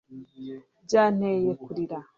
Byanteye kurira